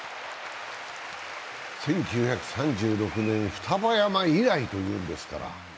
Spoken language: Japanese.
１９３６年、双葉山以来というんですから。